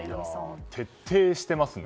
徹底していますね。